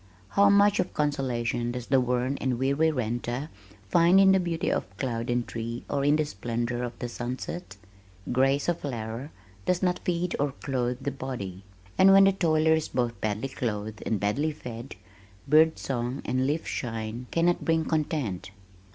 How much of consolation does the worn and weary renter find in the beauty of cloud and tree or in the splendor of the sunset? Grace of flower does not feed or clothe the body, and when the toiler is both badly clothed and badly fed, bird song and leaf shine cannot bring content."